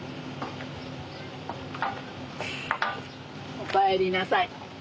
おかえりなさい。